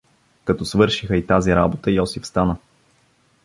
Като свършиха и тази работа, Йосиф стана.